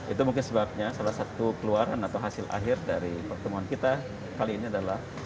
itu mungkin sebabnya salah satu keluaran atau hasil akhir dari pertemuan kita kali ini adalah